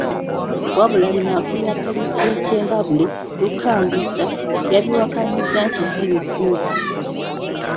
Wabula bino akulira poliisi y'e Ssembabule, Luka Mbusa, yabiwakanyizza nti si bituufu.